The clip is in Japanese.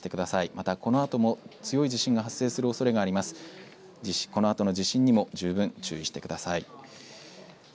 また、このあとも強い地震が発生するおそれがあります、このあとの地震にも十分注意してください。